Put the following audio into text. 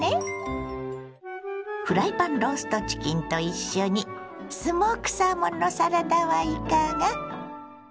フライパンローストチキンと一緒にスモークサーモンのサラダはいかが。